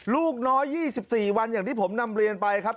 ลูกน้อย๒๔วันอย่างที่ผมนำเรียนไปครับ